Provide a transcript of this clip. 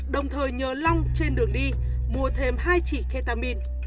đồng thời nhờ long trên đường đi mua thêm hai chỉ ketamin